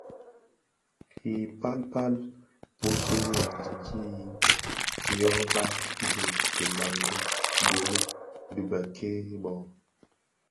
I pal pal bisulè dyandi yin yoba di dhimandè Gunu dhi bèk-kè bō.